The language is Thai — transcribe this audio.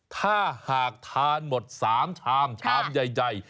ถ้าหากทานหมด๓ชามชามใหญ่